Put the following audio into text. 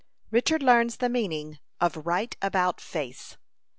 RICHARD LEARNS THE MEANING OF RIGHT ABOUT FACE.